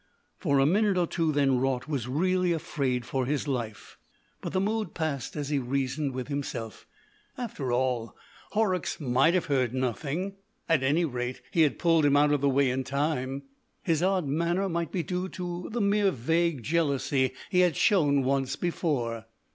For a minute or two then Raut was really afraid for his life, but the mood passed as he reasoned with himself. After all, Horrocks might have heard nothing. At anyrate, he had pulled him out of the way in time. His odd manner might be due to the mere vague jealousy he had shown once before.